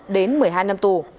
đến một mươi hai năm tù